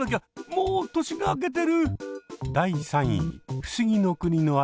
もう年が明けてる！